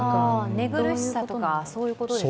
寝苦しさとかそういうことですよね。